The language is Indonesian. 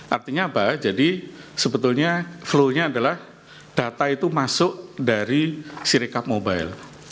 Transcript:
artinya apa jadi sebetulnya flow nya adalah data itu masuk dari sirikat mobile